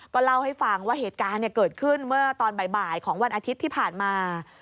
เล่าให้ฟังว่าเหตุการณ์เกิดขึ้นเมื่อตอนบ่ายของวันอาทิตย์ที่ผ่านมา